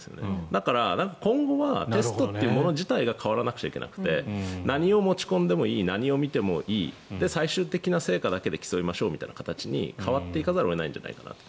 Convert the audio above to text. だから、今後はテストというもの自体が変わらないといけなくて何を持ち込んでもいい何を見てもいい最終的な成果だけで競いましょうみたいな形に変わっていかざるを得ないんじゃないかなと。